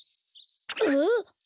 あっ！